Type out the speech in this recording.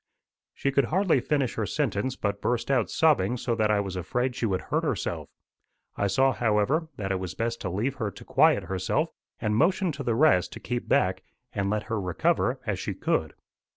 She could hardly finish her sentence, but burst out sobbing so that I was afraid she would hurt herself. I saw, however, that it was best to leave her to quiet herself, and motioned to the rest to keep back and let her recover as she could.